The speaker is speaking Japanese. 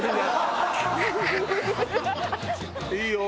いいよ。